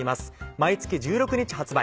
毎月１６日発売。